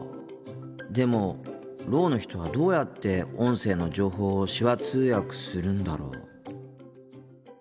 でもろうの人はどうやって音声の情報を手話通訳するんだろう。